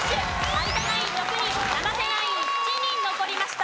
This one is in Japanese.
有田ナイン６人生瀬ナイン７人残りました。